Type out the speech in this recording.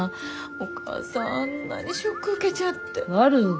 お母さんあんなにショック受けちゃって。